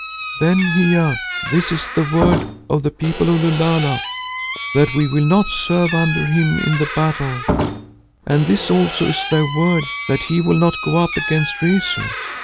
"Then, Hiya, this is the word of the People of Lulala, that we will not serve under him in the battle, and this also is their word that we will not go up against Rezu.